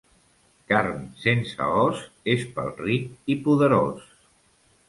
Carn sense os és pel ric i poderós.